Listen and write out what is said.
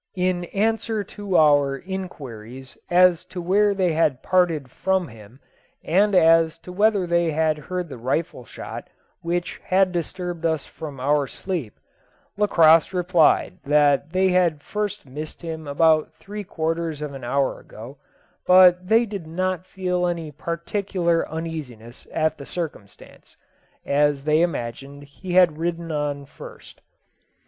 In answer to our inquiries as to where they had parted from him, and as to whether they had heard the rifle shot which had disturbed us from our sleep, Lacosse replied that they had first missed him about three quarters of an hour ago, but they did not feel any particular uneasiness at the circumstance, as they imagined he had ridden on first.